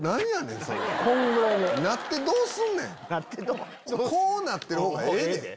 なってどうすんねん⁉こうなってるほうがええで！